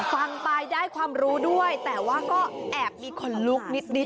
ฟังไปได้ความรู้ด้วยแต่ว่าก็แอบมีคนลุกนิด